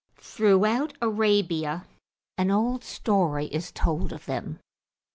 Throughout Arabia an old story is told of them.